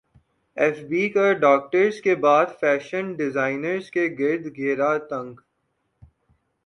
F B کا doctors کے بعد فیشن ڈیزائنرز کے گرد گھیرا تنگ